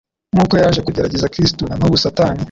Nk’uko yaje kugerageza Kristo, na n’ubu Satani